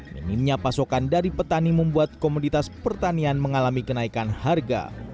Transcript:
minimnya pasokan dari petani membuat komoditas pertanian mengalami kenaikan harga